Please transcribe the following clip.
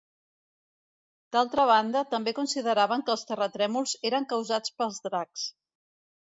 D'altra banda, també consideraven que els terratrèmols eren causats pels dracs.